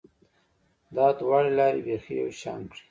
دا دواړې لارې بیخي یو شان کړې